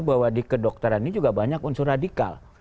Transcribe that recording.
bahwa di kedokteran ini juga banyak unsur radikal